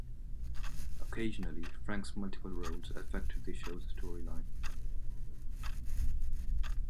Occasionally, Frank's multiple roles affected the show's storyline.